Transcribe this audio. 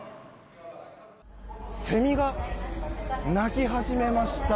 セミが鳴き始めました。